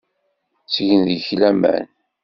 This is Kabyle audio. Ttgen deg-k laman.